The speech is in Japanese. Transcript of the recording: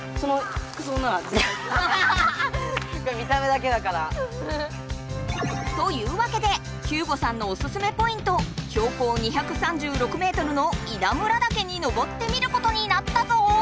これ見た目だけだから。というわけで彪悟さんのオススメポイント標高２３６メートルの稲村岳に登ってみることになったぞ！